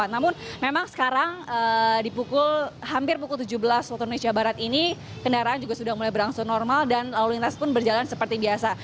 namun memang sekarang di pukul hampir pukul tujuh belas waktu indonesia barat ini kendaraan juga sudah mulai berangsur normal dan lalu lintas pun berjalan seperti biasa